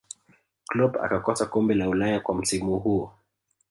kloop akakosa kombe la ulaya kwa msimu huo